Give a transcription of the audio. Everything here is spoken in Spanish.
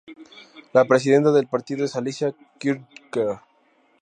La presidenta del partido es Alicia Kirchner.